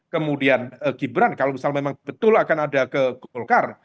kemudian gibran kalau misalnya memang betul akan ada ke golkar